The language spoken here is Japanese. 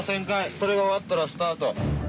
それが終わったらスタート。